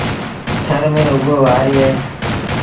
ٿر ميݩ رڳو وآريٚ اهي۔